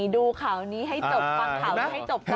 มันละละมันบ่นให้มันเจ็บใจ